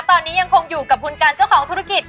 ตอนนี้ยังคงอยู่กับคุณกันเจ้าของธุรกิจ